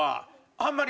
あんまり。